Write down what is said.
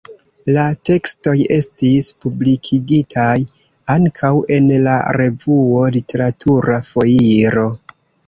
La tekstoj estis publikigitaj ankaŭ en la revuo Literatura Foiro.